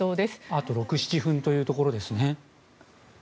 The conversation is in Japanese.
あと６７分というところですね。